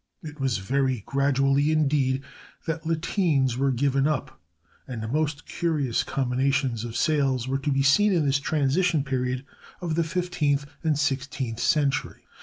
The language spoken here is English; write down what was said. It was very gradually, indeed, that lateens were given up, and most curious combinations of sails were to be seen in this transition period of the fifteenth and sixteenth centuries.